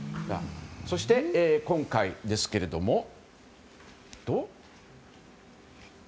そして今回ですけれども。